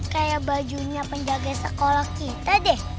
kayak bajunya penjaga sekolah kita deh